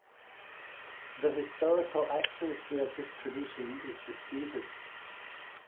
The historical accuracy of this tradition is disputed.